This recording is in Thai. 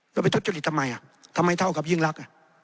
แล้วไปทุจริตทำไมทำไมเท่ากับยิ่งรัก